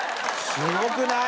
すごくない？